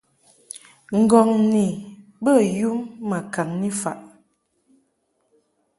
Ŋgɔmni bə yum ma kaŋni faʼ.